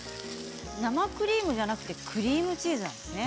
生クリームじゃなくてクリームチーズなんですね。